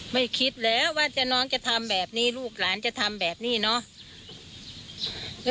ไม่คิดแล้วว่าน้องจะทำแบบนี้ลูกหลานจะทำแบบนี้เนาะ